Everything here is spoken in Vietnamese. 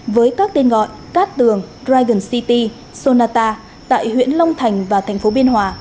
với các tên gọi cát tường dragon city sonata tại huyện long thành và thành phố biên hòa